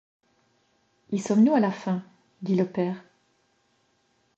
Y sommes-nous à la fin! dit le père.